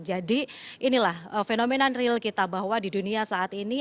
jadi inilah fenomenon real kita bahwa di dunia saat ini